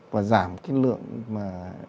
và giảm cái lượng mà